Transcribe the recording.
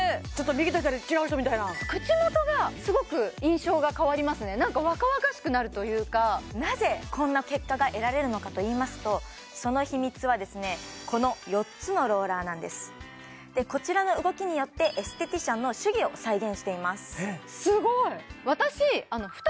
右と左違う人みたいやな口元がすごく印象が変わりますねなんか若々しくなるというかなぜこんな結果が得られるのかといいますとその秘密はこのこちらの動きによってエステティシャンの手技を再現していますすごい！